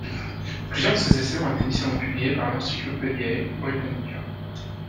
Plusieurs de ses essais ont été initialement publiés par l'Encyclopædia Britannica.